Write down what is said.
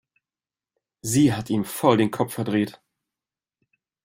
Sie hat ihm voll den Kopf verdreht.